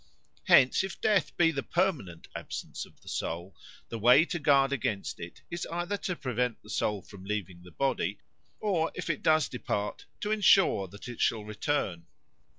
Hence if death be the permanent absence of the soul, the way to guard against it is either to prevent the soul from leaving the body, or, if it does depart, to ensure that it shall return.